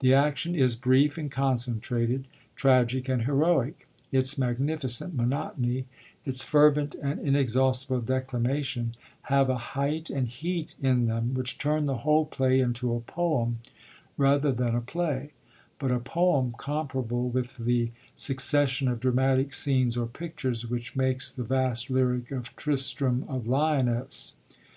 The action is brief and concentrated, tragic and heroic. Its 'magnificent monotony,' its 'fervent and inexhaustible declamation,' have a height and heat in them which turn the whole play into a poem rather than a play, but a poem comparable with the 'succession of dramatic scenes or pictures' which makes the vast lyric of Tristram of Lyonesse.